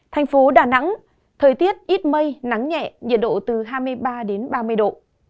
thành phố đà nẵng thời tiết ít mây nắng nhẹ nhiệt độ từ hai mươi ba đến ba mươi độ